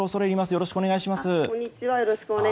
よろしくお願いします。